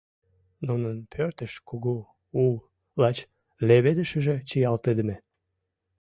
Нунын пӧртышт кугу, у, лач леведышыже чиялтыдыме.